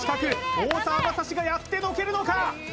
大澤雅士がやってのけるのか？